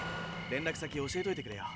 連絡先教えといてくれよ。